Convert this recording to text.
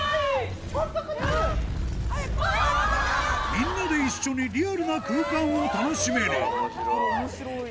みんなで一緒にリアルな空間を楽しめるこれ面白い。